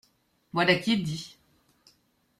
Voilà qui est dit.